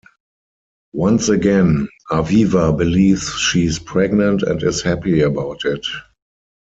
Once again, Aviva believes she is pregnant and is happy about it.